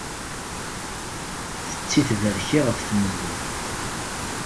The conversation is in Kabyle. Tetti tberki ɣef tmelli.